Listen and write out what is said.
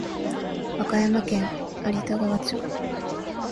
和歌山県有田川町